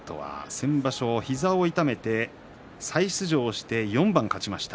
先場所、膝を痛めて再出場して４番勝ちました。